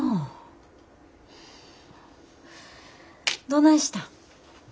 どないしたん？